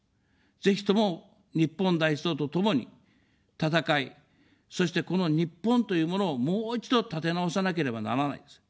ぜひとも日本第一党と共に戦い、そしてこの日本というものを、もう一度立て直さなければならないんです。